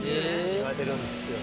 言われてるんですよね。